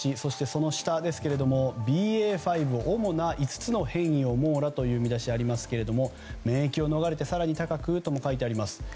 その下には、ＢＡ．５主な５つの変異を網羅という見出しがありますが免疫を逃れて更に高くとも書いてあります。